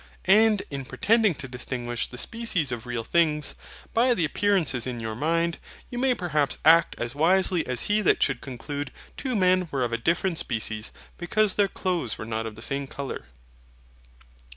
And in pretending to distinguish the species of real things, by the appearances in your mind, you may perhaps act as wisely as he that should conclude two men were of a different species, because their clothes were not of the same colour.